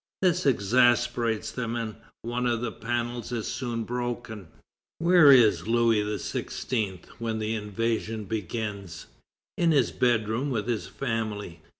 This exasperates them, and one of the panels is soon broken. Where is Louis XVI. when the invasion begins? In his bedroom with his family.